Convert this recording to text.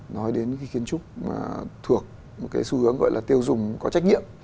nói đến cái kiến trúc mà thuộc một cái xu hướng gọi là tiêu dùng có trách nhiệm